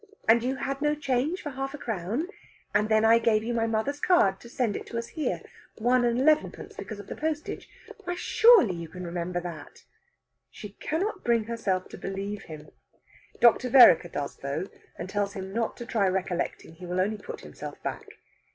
And you had no change for half a crown. And then I gave you my mother's card to send it to us here. One and elevenpence, because of the postage. Why, surely you can remember that!" She cannot bring herself to believe him. Dr. Vereker does, though, and tells him not to try recollecting; he will only put himself back.